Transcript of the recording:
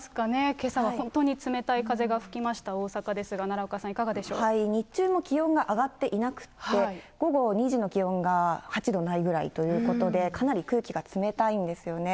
けさは本当に冷たい風が吹きました、大阪ですが、日中も気温が上がっていなくって、午後２時の気温が８度ないぐらいということで、かなり空気が冷たいんですよね。